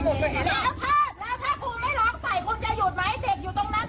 เพื่อการจริงทำยัน